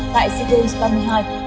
tại sea games ba mươi hai